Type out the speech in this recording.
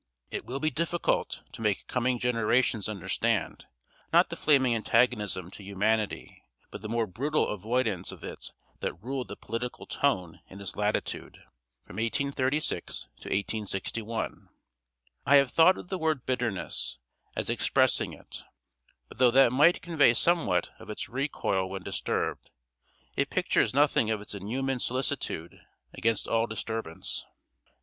It will be difficult to make coming generations understand, not the flaming antagonism to humanity, but the more brutal avoidance of it that ruled the political tone in this latitude, from 1836 to 1861. I have thought of the word bitterness, as expressing it; but though that might convey somewhat of its recoil when disturbed, it pictures nothing of its inhuman solicitude against all disturbance.